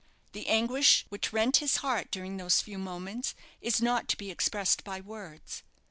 The anguish which rent his heart during those few moments is not to be expressed by words.